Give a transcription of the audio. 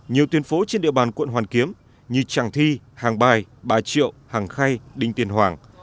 nhiều tuyến phố trên địa bàn quận hoàn kiếm như tràng thi hàng bài bà triệu hàng khay đinh tiền hoàng